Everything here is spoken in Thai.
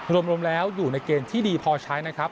รวมแล้วอยู่ในเกณฑ์ที่ดีพอใช้นะครับ